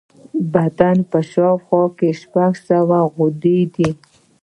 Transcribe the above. په بدن کې شاوخوا شپږ سوه غدودي دي.